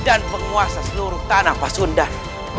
dan penguasa seluruh tanah pasundan